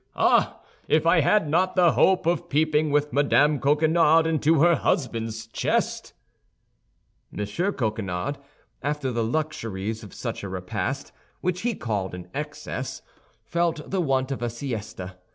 Ah! if I had not the hope of peeping with Madame Coquenard into her husband's chest!" M. Coquenard, after the luxuries of such a repast, which he called an excess, felt the want of a siesta.